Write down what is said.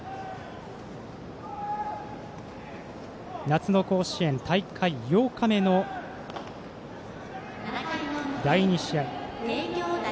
夏の甲子園、大会８日目の第２試合。